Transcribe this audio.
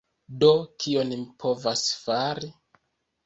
Do, kion mi povas fari?